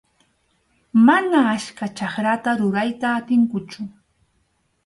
Mana achka chakrata rurayta atinkuchu.